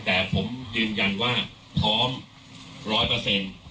แต่ผมจืนยันว่าพร้อม๑๐๐